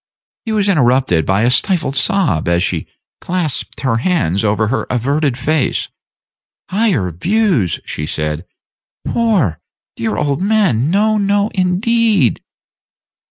He was interrupted by a stifled sob as she clasped her hands over her averted face. "Higher views!" she said; "poor, dear old man, no, no, indeed."